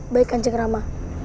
baik ganjeng rama